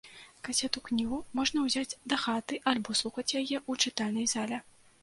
Касету-кнігу можна ўзяць дахаты альбо слухаць яе ў чытальнай зале.